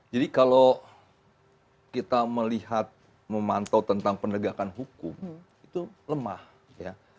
jadi kalau kita melihat memantau tentang penegakan hukum itu lemah ya